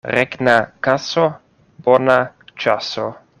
Regna kaso — bona ĉaso.